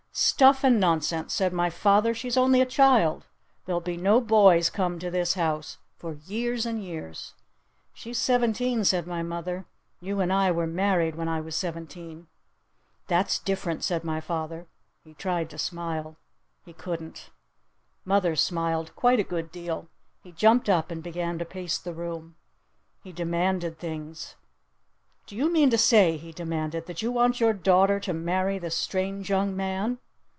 "Stuff and nonsense!" said my father. "She's only a child! There'll be no boys come to this house for years and years!" "She's seventeen," said my mother. "You and I were married when I was seventeen." "That's different!" said my father. He tried to smile. He couldn't. Mother smiled quite a good deal. He jumped up and began to pace the room. He demanded things. "Do you mean to say," he demanded, "that you want your daughter to marry this strange young man?"